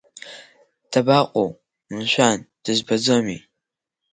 Дабаҟоу, мшәан, дызбаӡомеи?